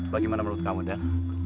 bagaimana menurut kamu dan